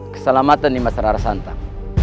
keselamatan nimas rarasantam